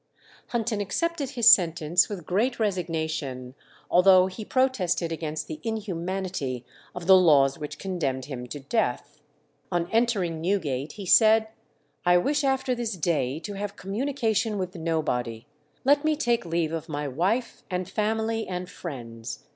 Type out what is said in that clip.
Hunton accepted his sentence with great resignation, although he protested against the inhumanity of the laws which condemned him to death. On entering Newgate he said, "I wish after this day to have communication with nobody; let me take leave of my wife, and family, and friends.